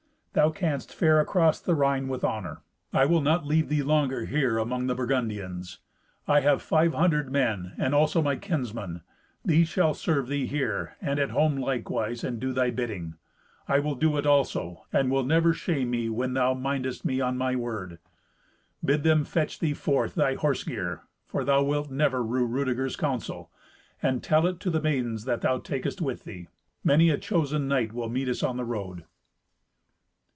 Thou canst fare across the Rhine with honour. I will not leave thee longer here among the Burgundians. I have five hundred men and also my kinsmen. These shall serve thee here, and at home likewise, and do thy bidding. I will do it also, and will never shame me when thou mindest me on my word. Bid them fetch thee forth thy horse gear, for thou wilt never rue Rudeger's counsel, and tell it to the maidens that thou takest with thee. Many a chosen knight will meet us on the road."